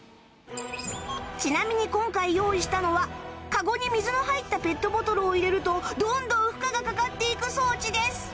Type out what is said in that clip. ちなみに今回用意したのはカゴに水の入ったペットボトルを入れるとどんどん負荷がかかっていく装置です